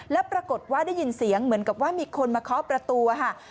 แล้วปรากฏว่าได้ยินเสียงเหมือนกับว่ามีคนมาเคาะประตูค่ะ